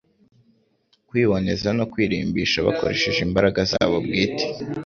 kwiboneza no kwirimbisha bakoresheje imbaraga zabo bwite;